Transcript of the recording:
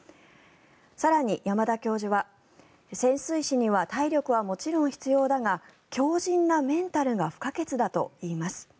更に、山田教授は潜水士には体力はもちろん必要だが強じんなメンタルが不可欠だといいます。